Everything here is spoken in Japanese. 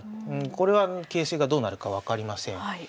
これは形勢がどうなるか分かりません。